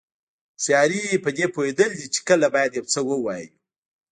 هوښیاري پدې پوهېدل دي چې کله باید یو څه ووایو.